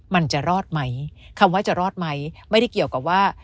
มันจะรอดไหมคำว่าจะรอดไหมไม่ได้เกี่ยวกับว่า